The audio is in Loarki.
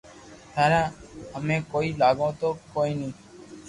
ٿاري امي ڪوئي لاگو تو ڪوئي ني